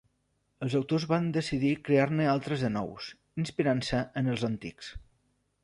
Els autors van decidir crear-ne altres de nous, inspirant-se en els antics.